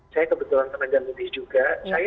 saya kebetulan tenaga medis juga